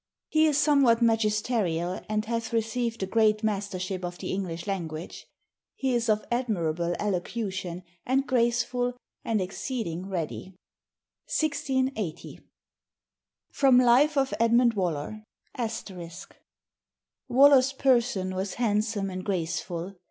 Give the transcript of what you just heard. He is somewhat magisteriall, and hath received a great mastership of the English language. He is of admirable elocution, and gracefull, and exceeding ready." 1680. [Sidenote: Life of Edmund Waller. *] "Waller's person was handsome and graceful.